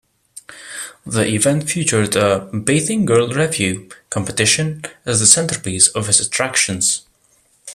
The event featured a "Bathing Girl Revue" competition as the centerpiece of its attractions.